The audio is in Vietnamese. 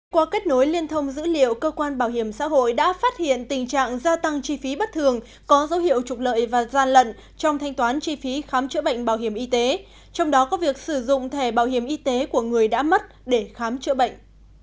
qua kết nối liên thông dữ liệu cơ quan bảo hiểm xã hội đã phát hiện tình trạng gia tăng chi phí bất thường có dấu hiệu trục lợi và gian lận trong thanh toán chi phí khám chữa bệnh bảo hiểm y tế trong đó có việc sử dụng thẻ bảo hiểm y tế của người đã mất để khám chữa bệnh